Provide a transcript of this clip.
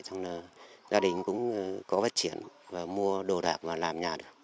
cho nên là gia đình cũng có phát triển và mua đồ đạp và làm nhà được